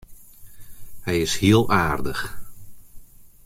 Hy is hiel aardich.